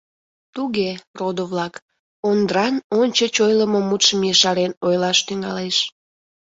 — Туге, родо-влак, — Ондран ончыч ойлымо мутшым ешарен ойлаш тӱҥалеш.